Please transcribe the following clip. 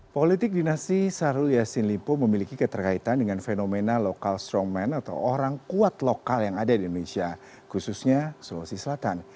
politik dinasti sarul yassin limpo memiliki keterkaitan dengan fenomena lokal strongman atau orang kuat lokal yang ada di indonesia khususnya sulawesi selatan